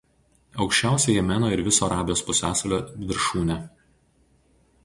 Aukščiausia Jemeno ir viso Arabijos pusiasalio viršūnė.